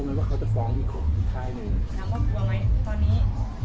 กลัวไหมว่าเขาจะฟ้องอีกคนท่ายนึงน้ำว่ากลัวไหมตอนนี้